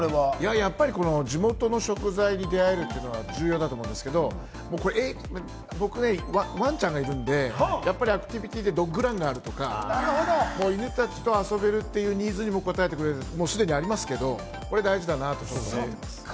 やっぱり地元の食材にあえるっていうのは重要だと思うんですけど、僕ね、ワンちゃんがいるんで、やっぱりアクティビティでドッグランがあるとか、犬たちと遊べるっていうニーズに応えてくれる、すでにありますけど、これが大事だと思いますね。